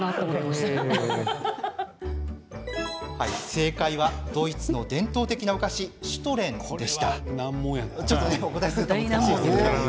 正解は、ドイツの伝統的なお菓子シュトレンでした。